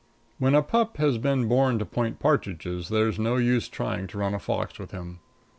When a pup has been born to point partridges there's no use trying to run a fox with him.